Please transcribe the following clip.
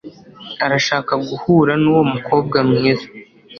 Arashaka guhura nuwo mukobwa mwiza